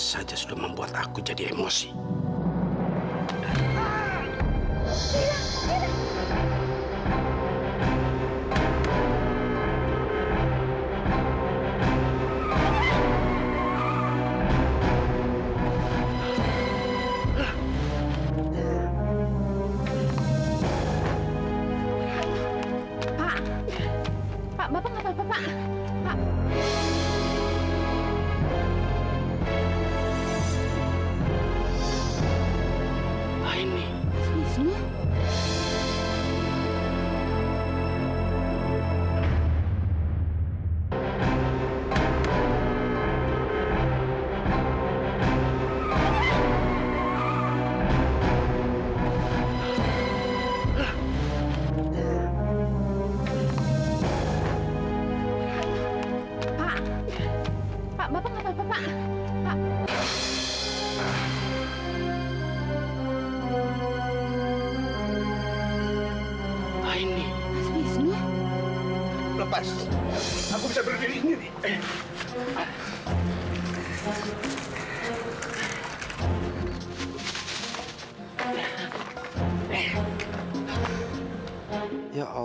sampai jumpa di video selanjutnya